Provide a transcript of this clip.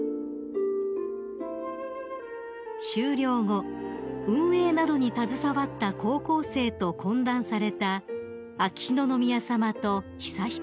［終了後運営などに携わった高校生と懇談された秋篠宮さまと悠仁さま］